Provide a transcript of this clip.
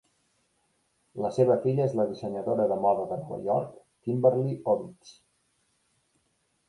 La seva filla és la dissenyadora de moda de Nova York Kimberly Ovitz.